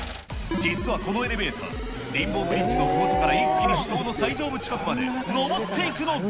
実はこのエレベーター、レインボーブリッジのから、一気に主塔の最上部近くまで上っ